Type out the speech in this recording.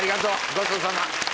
ごちそうさま